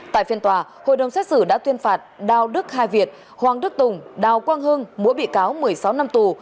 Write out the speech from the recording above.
tại phiên tòa hội đồng xét xử đã tuyên phạt đào đức hai việt hoàng đức tùng đào quang hưng mỗi bị cáo một mươi sáu năm tù